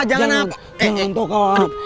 jangan toh kawan